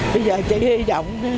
bây giờ chỉ hy vọng